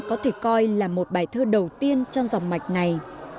có thể coi là một bài thơ đầu tiên trong dòng mạch này